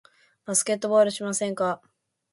バスケットボールしませんか？